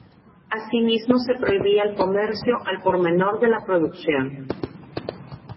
Asimismo se prohibía el comercio al por menor de la producción.